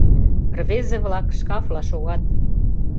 Рвезе-влак шкафла шогат.